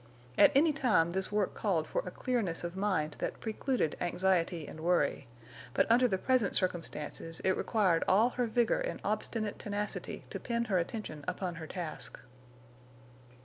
At any time this work called for a clearness of mind that precluded anxiety and worry; but under the present circumstances it required all her vigor and obstinate tenacity to pin her attention upon her task.